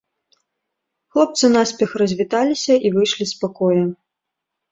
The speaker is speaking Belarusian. Хлопцы наспех развіталіся і выйшлі з пакоя.